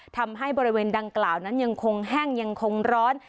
ทำให้บริเวณดังกล่าวนั้นยังคงแห้งยังคงร้อน